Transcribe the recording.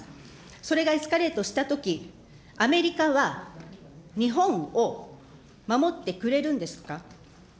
それがエスカレートしたとき、アメリカは、日本を守ってくれるんですか。